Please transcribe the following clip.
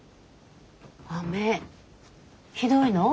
雨ひどいの？